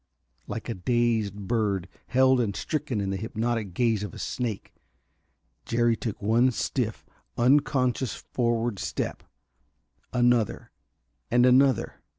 Like a dazed bird, held and stricken in the hypnotic gaze of a snake, Jerry took one stiff, unconscious forward step. Another, and another.